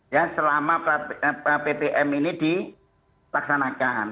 ya selama ptm ini dilaksanakan